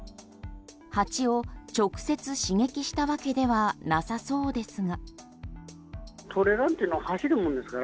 蜂を直接刺激したわけではなさそうですが。